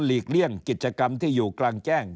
เลี่ยงกิจกรรมที่อยู่กลางแจ้ง